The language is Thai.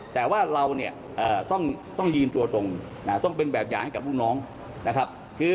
แต่ว่าเราเนี่ยต้องยืนตัวตรงต้องเป็นแบบอย่างให้กับลูกน้องนะครับ